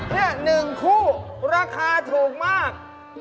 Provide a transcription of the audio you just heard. นี่หนึ่งคู่ราคาถูกมาก